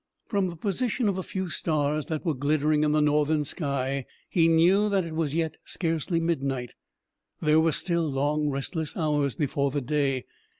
From the position of a few stars that were glittering in the northern sky he knew that it was yet scarcely midnight; there were still long, restless hours before the day!